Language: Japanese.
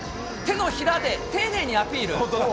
てのひらで丁寧にアピール。